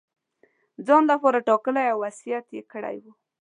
ځان لپاره ټاکلی او وصیت یې کړی وو.